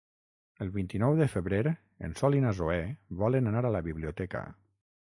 El vint-i-nou de febrer en Sol i na Zoè volen anar a la biblioteca.